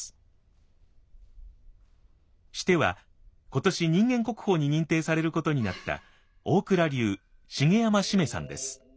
シテは今年人間国宝に認定されることになった大蔵流茂山七五三さんです。